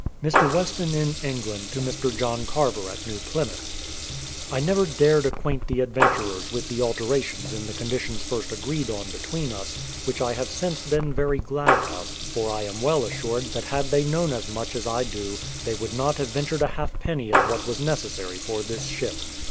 Mr. Weston in England to Mr. John Carver at New Plymouth: I never dared acquaint the adventurers with the alterations in the conditions first agreed on between us, which I have since been very glad of, for I am well assured that had they known as much as I do, they would not have ventured a halfpenny of what was neces sary for this ship.